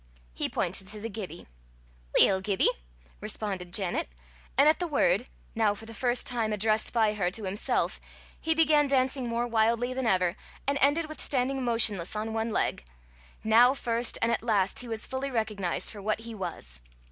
He pointed to the giby. "Weel, Gibbie," responded Janet, and at the word, now for the first time addressed by her to himself, he began dancing more wildly than ever, and ended with standing motionless on one leg: now first and at last he was fully recognized for what he was!